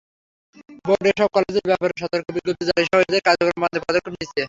Board এসব কলেজের ব্যাপারে সতর্ক বিজ্ঞপ্তি জারিসহ এদের কার্যক্রম বন্ধে পদক্ষেপ নিচ্ছে।